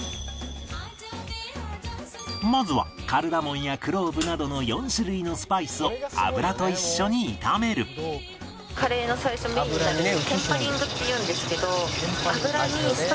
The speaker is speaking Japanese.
まずはカルダモンやクローブなどの４種類のスパイスを油と一緒に炒めるをしてるんですね。